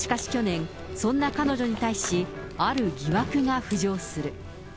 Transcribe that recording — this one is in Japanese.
しかし去年、そんな彼女に対し、ある疑惑が浮上する。